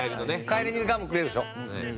帰りにガムくれるでしょ。